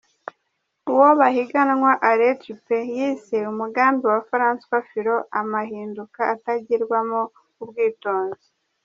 Uwo bahiganwa Alain Juppe, yise umugambi wa Francois Fillon amahinduka atagiramwo ubwitonzi.